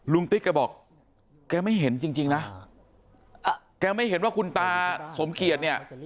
ติ๊กแกบอกแกไม่เห็นจริงนะแกไม่เห็นว่าคุณตาสมเกียจเนี่ย